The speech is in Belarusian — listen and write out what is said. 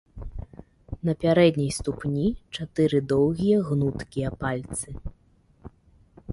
На пярэдняй ступні чатыры доўгія, гнуткія пальцы.